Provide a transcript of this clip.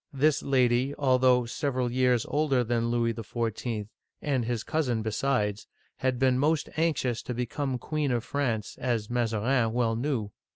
This lady, al though several years older than Louis XIV., and his cousin besides, had been most anxious to become Queen of France, as Mazarin well knew.